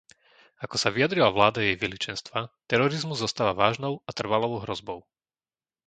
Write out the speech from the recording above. Ako sa vyjadrila vláda Jej Veličenstva, terorizmus zostáva vážnou a trvalou hrozbou.